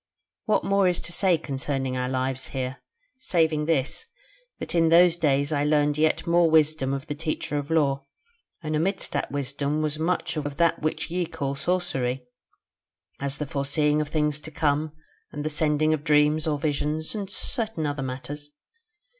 What more is to say concerning our lives here, saving this, that in those days I learned yet more wisdom of the Teacher of Lore, and amidst that wisdom was much of that which ye call sorcery: as the foreseeing of things to come, and the sending of dreams or visions, and certain other matters.